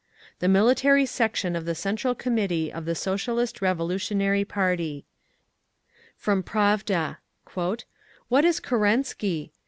The Military Section of the Central Committee of the Socialist Revolutionary Party. From Pravda: "What is Kerensky?